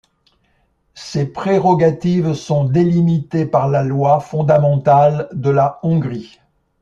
Ses prérogatives sont délimitées par la Loi fondamentale de la Hongrie.